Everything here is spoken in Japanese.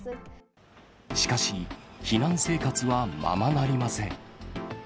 しかし、避難生活はままなりません。